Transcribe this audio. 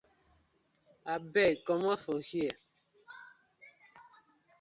Abeg comot for here.